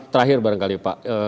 terakhir barangkali pak